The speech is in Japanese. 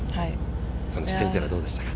その視線というのはどうでしたか。